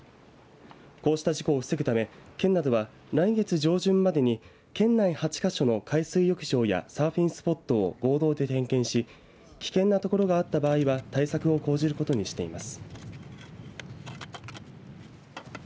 こうした事故を防ぐため県などは来月上旬までに県内８か所の海水浴場やサーフィンスポットを合同で点検し危険な所があった場合は対策を講じることにしています。